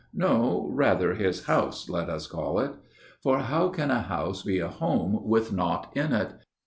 No, rather his house let us call it. For how can a house be a home with naught in it?